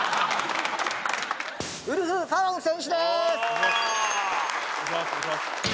ウルフアロン選手です。